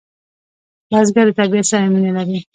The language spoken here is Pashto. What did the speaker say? بزګر د طبیعت سره مینه لري